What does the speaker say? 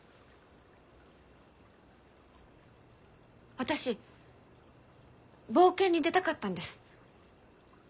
私冒険に出たかったんです。